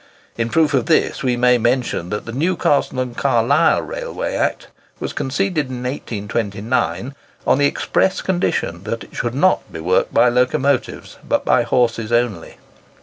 In proof of this, we may mention that the Newcastle and Carlisle Railway Act was conceded in 1829, on the express condition that it should not be worked by locomotives, but by horses only.